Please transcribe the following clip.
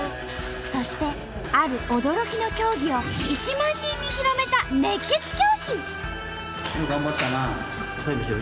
そしてある驚きの競技を１万人に広めた熱血教師！